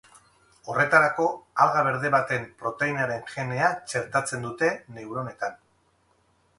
Horretarako, alga berde baten proteinaren genea txertatzen dute neuronetan.